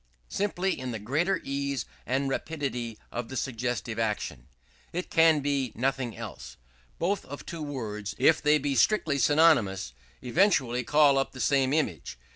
Simply in the greater ease and rapidity of the suggestive action. It can be in nothing else. Both of two words, if they be strictly synonymous, eventually call up the same image.